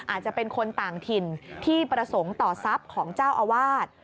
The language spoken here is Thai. อาจจะเป็นคนต่างถิ่นที่ประสงค์ต่อทรัพย์ของเจ้าอาวาส